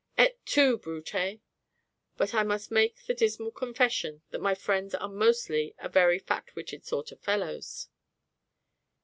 "Et tu, Brute!" But I must make the dismal confession that my friends are mostly a very fat witted sort of fellows.